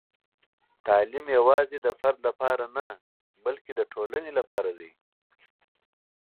تعلیم یوازې د فرد لپاره نه، بلکې د ټولنې لپاره دی.